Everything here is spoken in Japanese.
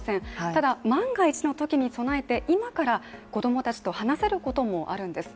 ただ万が一のときに備えて、今から子供たちと話せることもあるんです。